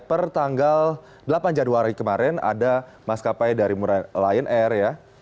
pertanggal delapan januari kemarin ada maskapai dari lion air ya